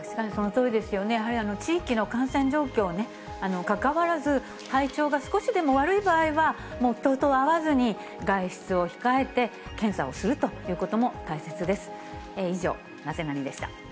そのとおりですね、やはり地域の感染状況をね、かかわらず、体調が少しでも悪い場合は、もう人と会わずに、外出を控えて、検査をするということも大切です。